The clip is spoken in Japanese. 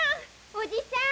おじさん！